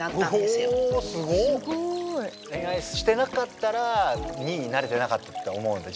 すごい。恋愛してなかったら２位になれてなかったって思うんだ？